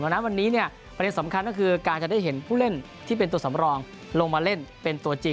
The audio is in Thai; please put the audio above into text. ดังนั้นวันนี้เนี่ยประเด็นสำคัญก็คือการจะได้เห็นผู้เล่นที่เป็นตัวสำรองลงมาเล่นเป็นตัวจริง